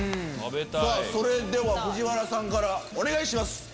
それでは藤原さんからお願いします。